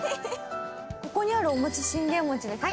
ここにあるお餅、信玄餅ですか？